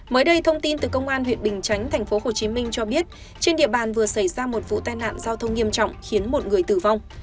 mới đây thông tin từ công an huyện bình chánh tp hcm cho biết trên địa bàn vừa xảy ra một vụ tai nạn giao thông nghiêm trọng khiến một người tử vong